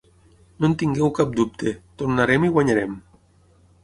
No en tingueu cap dubte, tornarem i guanyarem.